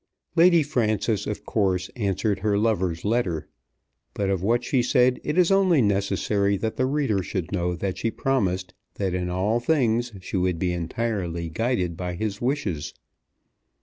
Lady Frances of course answered her lover's letter; but of what she said it is only necessary that the reader should know that she promised that in all things she would be entirely guided by his wishes.